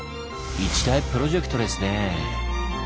一大プロジェクトですねぇ。